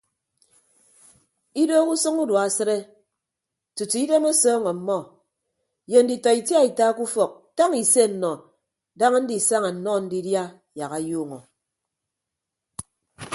Idoho usʌñ udua asịde tutu idem ọsọọñ ọmmọ ye nditọ itiaita ke ufọk tañ ise nnọ daña ndisaña nnọ ndidia yak ayuuñọ.